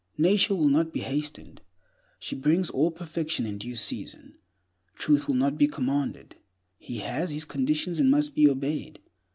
Nature will not be hastened. She brings all perfection in due season. Truth will not be commanded. He has his conditions and must be obeyed.